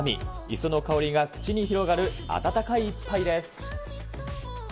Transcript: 磯の香りが口に広がる温かい一杯です。